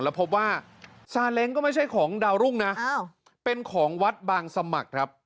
แล้วพบว่าซาเล้งก็ไม่ใช่ของดาวรุ่งนะเป็นของวัดบางสมัครครับ